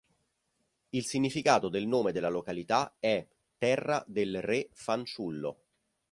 Il significato del nome della località è "terra del re fanciullo".